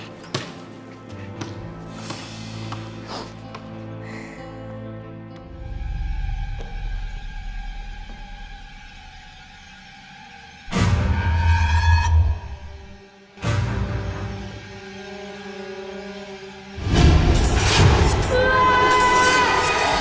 udah kamu seneng